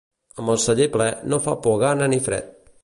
Amb el celler ple no fa por gana ni fred.